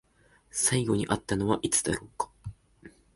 最後に会ったのはいつだろうか？